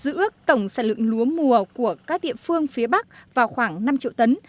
giữ ước tổng sản lượng lúa mùa của các địa phương phía bắc vào khoảng năm triệu tấn